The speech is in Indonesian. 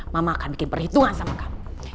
mama akan bikin perhitungan sama kamu